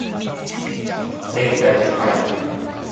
電気代が高い。